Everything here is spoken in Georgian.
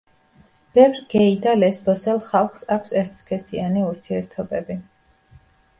ბევრ გეი და ლესბოსელ ხალხს აქვს ერთსქესიანი ურთიერთობები.